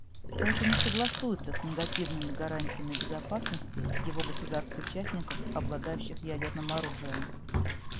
Это не согласуется с негативными гарантиями безопасности его государств-участников, обладающих ядерным оружием.